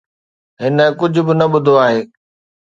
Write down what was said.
هن ڪجهه به نه ٻڌو آهي.